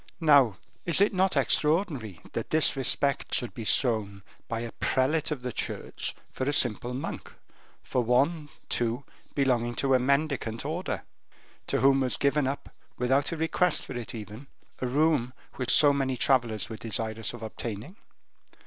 Now, is it not extraordinary that this respect should be shown by a prelate of the Church for a simple monk, for one, too, belonging to a mendicant order; to whom was given up, without a request for it even, a room which so many travelers were desirous of obtaining?